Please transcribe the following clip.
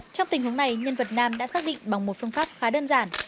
trong tình huống này nhân vật nam đã xác định bằng một phương pháp khá đơn giản